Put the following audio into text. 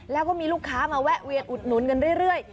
แล้วก็มีลูกค้ามาแวะเวียนอุดหนุนกันเรื่อย